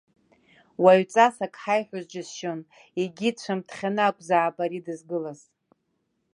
Уаҩҵас ак ҳаиҳәоз џьысшьон, егьи дцәамҭхьаны акәзаап ари дызгылаз.